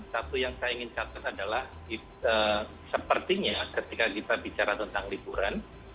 satu yang saya ingin catat adalah sepertinya ketika kita bicara tentang liburan